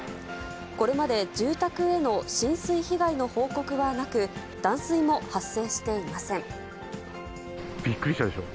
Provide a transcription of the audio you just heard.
これまで住宅への浸水被害の報告はなく、びっくりしたでしょう。